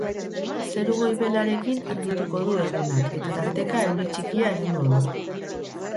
Zeru goibelarekin argituko du egunak eta tarteka euri txikia egingo du.